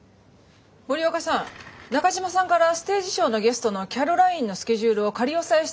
森若さん中島さんからステージショーのゲストのＣａｒｏｌｉｎｅのスケジュールを仮押さえしたと来ましたが。